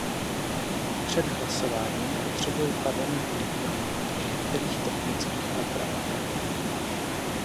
Před hlasováním potřebuji Parlament informovat o některých technických úpravách.